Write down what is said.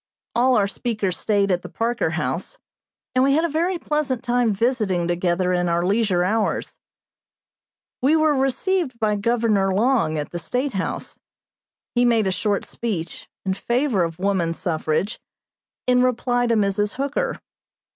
All our speakers stayed at the Parker House, and we had a very pleasant time visiting together in our leisure hours. We were received by Governor Long, at the State House. He made a short speech, in favor of woman suffrage, in reply to Mrs. Hooker.